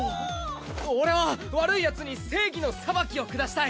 俺は悪いヤツに正義の裁きを下したい！